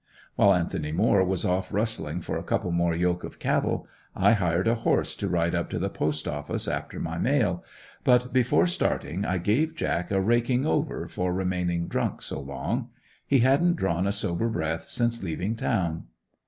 While Anthony Moore was off rustling for a couple more yoke of cattle, I hired a horse to ride up to the Post Office after my mail, but before starting I gave Jack a raking over for remaining drunk so long. He hadn't drawn a sober breath since leaving town.